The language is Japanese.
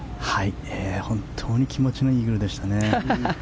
本当に気持ちのいいイーグルでしたね。